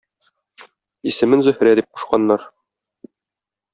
Исемен Зөһрә дип кушканнар.